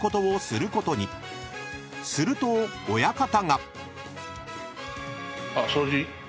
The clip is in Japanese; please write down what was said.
［すると親方が］